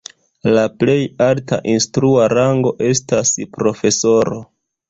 La plej alta instrua rango estas profesoro.